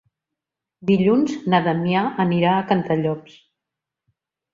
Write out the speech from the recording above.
Dilluns na Damià anirà a Cantallops.